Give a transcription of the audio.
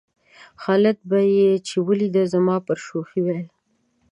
خالد به یې چې ولېده زما پر شوخۍ ویل.